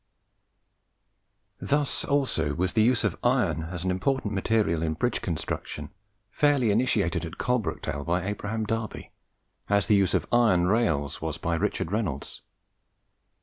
Thus, also, was the use of iron as an important material in bridge building fairly initiated at Coalbrookdale by Abraham Darby, as the use of iron rails was by Richard Reynolds.